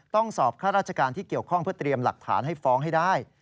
ต้องสอบข้าราชการที่เกี่ยวข้องเพื่อเตรียมหลักฐานให้ฟ้องให้ได้